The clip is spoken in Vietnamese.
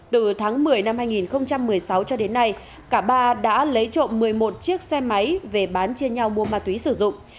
từ tháng một mươi năm hai nghìn một mươi sáu cho đến nay cả ba đã lấy trộm một mươi một chiếc xe máy về bán chia nhau mua ma túy sử dụng